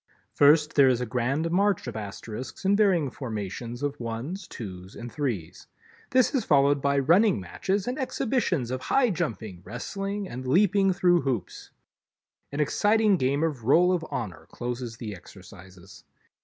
First, there is a grand march of Asterisks in varying formations of ones, twos and threes. This is followed by running matches and exhibitions of high jumping, wrestling and leaping through hoops. An exciting game of Roll of Honor closes the exercises.